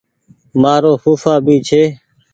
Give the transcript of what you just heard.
مآرو ڦوڦآ بي ڇي۔